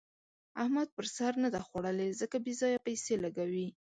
احمد پر سر نه ده خوړلې؛ ځکه بې ځايه پيسې لګوي.